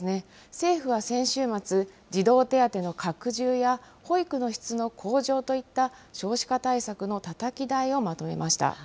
政府は先週末、児童手当の拡充や保育の質の向上といった、少子化対策のたたき台をまとめました。